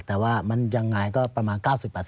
แต่ว่ามันยังไงก็ประมาณ๙๐